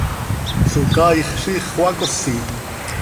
Socaaix ziix xöacosi.